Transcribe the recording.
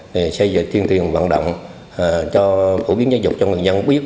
để xây dựng tiên truyền vận động cho phổ biến giáo dục cho người dân biết